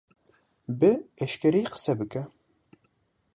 Bi eşkereyî qise bike!